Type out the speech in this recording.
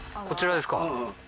こちらですか。